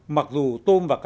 mặc dù tôm và cá cha